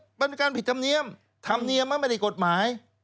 มันเป็นการผิดธรรมเนียมธรรมเนียมมันไม่ได้กฎหมาย